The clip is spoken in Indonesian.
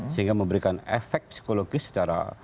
sehingga memberikan efek psikologis secara